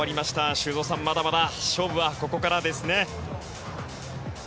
修造さん、まだまだ勝負はここからですね。